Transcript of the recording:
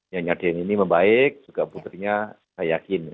yang nyadeng ini membaik juga putrinya saya yakin